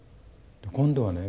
今度はね